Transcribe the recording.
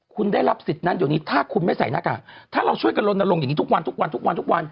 คุณได้รับสิทธิ์นั้นเดี๋ยวนี้ถ้าคุณไม่ใส่หน้ากากถ้าเราช่วยกันลนลงอย่างนี้ทุกวันทุกวันทุกวันทุกวันทุกวัน